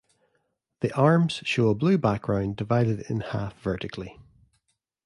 The arms show a blue background divided in half vertically.